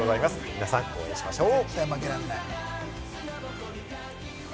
皆さん応援しましょう。